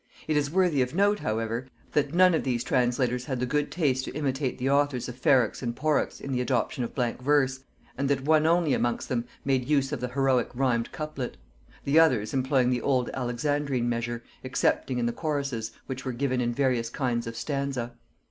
It is worthy of note, however, that none of these translators had the good taste to imitate the authors of Ferrex and Porrex in the adoption of blank verse, and that one only amongst them made use of the heroic rhymed couplet; the others employing the old alexandrine measure, excepting in the choruses, which were given in various kinds of stanza.